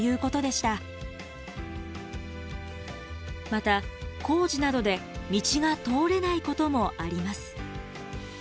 また工事などで道が通れないこともあります。